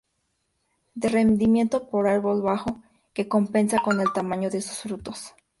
De rendimiento por árbol bajo que compensa con el tamaño de sus frutos.